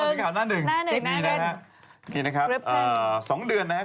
มาอีกข่าวหน้าหนึ่งจริงนะครับนี่นะครับสองเดือนนะครับ